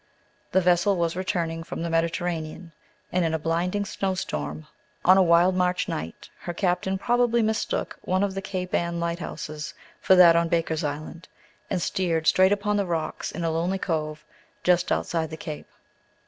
The vessel was returning from the Mediterranean, and in a blinding snow storm on a wild March night her captain probably mistook one of the Cape Ann light houses for that on Baker's Island, and steered straight upon the rocks in a lonely cove just outside the cape.